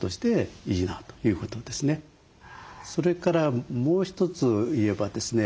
それからもう一つ言えばですね